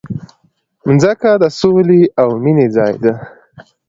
مځکه د سولې او مینې ځای ده.